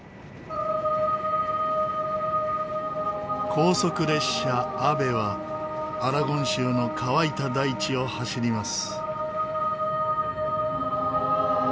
高速列車ＡＶＥはアラゴン州の乾いた大地を走ります。